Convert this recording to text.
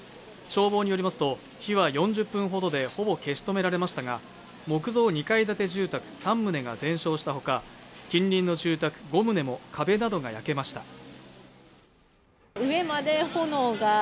消防によりますと火は４０分ほどでほぼ消し止められましたが木造２階建て住宅三棟が全焼したほか近隣の住宅五棟の壁などが焼けました